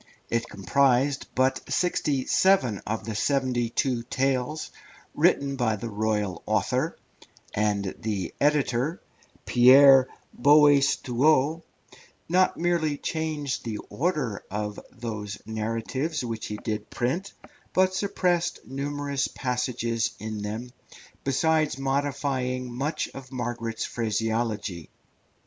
It comprised but sixty seven of the seventy two tales written by the royal author, and the editor, Pierre Boaistuau, not merely changed the order of those narratives which he did print, but suppressed numerous passages in them, besides modifying much of Margaret's phraseology.